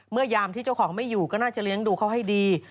ยามที่เจ้าของไม่อยู่ก็น่าจะเลี้ยงดูเขาให้ดี